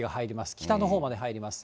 北のほうまで入ります。